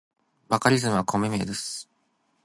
バカリズムはコンビ名です。